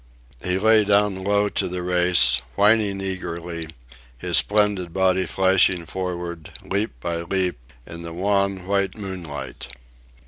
He lay down low to the race, whining eagerly, his splendid body flashing forward, leap by leap, in the wan white moonlight.